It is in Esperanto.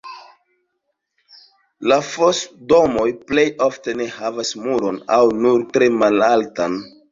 La fos-domoj plej ofte ne havas muron aŭ nur tre malaltan.